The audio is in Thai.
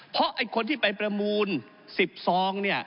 เพราะไอ้คนที่ไปประมูล๑๐ซองเนี่ย